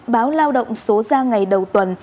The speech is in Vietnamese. báo lao động số ra ngày đầu tuần